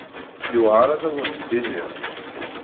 Yewɛeṛ ad awent-d-iniɣ.